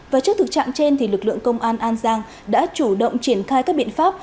và trước thực trạng trên thì lực lượng công an an giang đã chủ động triển khai các biện pháp